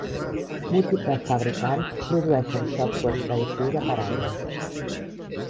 Múltiples fabricants produeixen software predictiu de paraules.